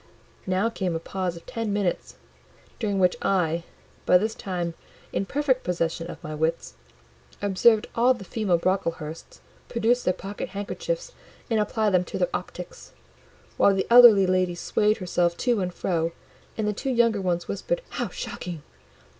Now came a pause of ten minutes, during which I, by this time in perfect possession of my wits, observed all the female Brocklehursts produce their pocket handkerchiefs and apply them to their optics, while the elderly lady swayed herself to and fro, and the two younger ones whispered, "How shocking!"